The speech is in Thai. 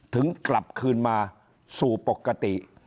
กลับคืนมาสู่ปกติ